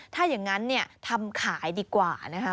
ถ้าอย่างนั้นเนี่ยทำขายดีกว่านะคะ